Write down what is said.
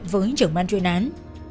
với trưởng bàn truyền án